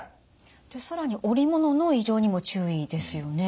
更におりものの異常にも注意ですよね。